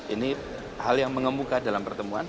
ini hal yang mengemuka dalam pertemuan